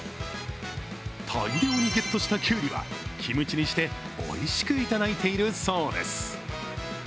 大量にゲットしたキュウリはキムチにしておいしくいただいているそうです。